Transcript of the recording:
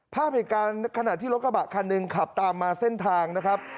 ภาพเหตุการณ์ขณะที่รถกระบะคันหนึ่งขับตามมาเส้นทางนะครับ